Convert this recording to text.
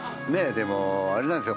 でもあれなんですよ